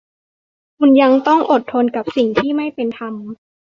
คุณยังต้องอดทนกับสิ่งที่ไม่เป็นธรรม